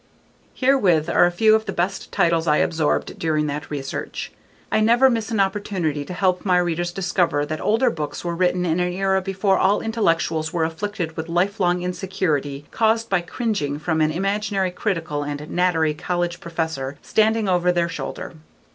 Herewith are a few of the best titles l absorbed during that research. l never miss an opportunity to help my readers discover that older books were written in an era before all intellectuals were afflicted with lifelong insecurity caused by cringing from an imaginary critical and nattery college professor standing over their shoulder.